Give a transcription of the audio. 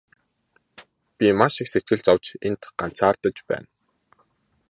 Би маш их сэтгэл зовж энд ганцаардаж байна.